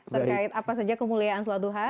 terkait apa saja kemuliaan sholat duha